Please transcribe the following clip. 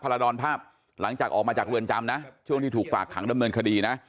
ราดรภาพหลังจากออกมาจากเรือนจำนะช่วงที่ถูกฝากขังดำเนินคดีนะ